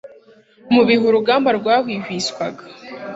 Mu bihe urugamba rwahwihwiswaga,